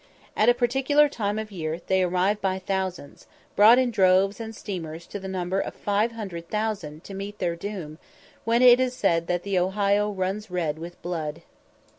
At a particular time of year they arrive by thousands brought in droves and steamers to the number of 500,000 to meet their doom, when it is said that the Ohio runs red with blood!